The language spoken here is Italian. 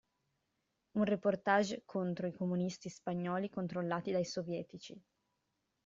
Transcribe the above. Un reportage contro i comunisti spagnoli controllati dai sovietici.